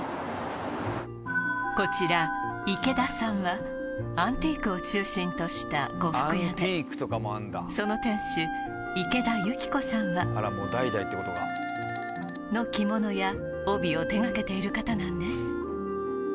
こちら池田さんはアンティークを中心とした呉服屋でその店主池田由紀子さんは○○の着物や帯を手掛けている方なんです